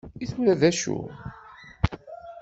I tura d acu?